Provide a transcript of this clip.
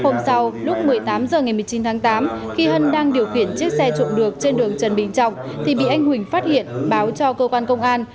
hôm sau lúc một mươi tám h ngày một mươi chín tháng tám khi hân đang điều khiển chiếc xe trộm được trên đường trần bình trọng thì bị anh huỳnh phát hiện báo cho cơ quan công an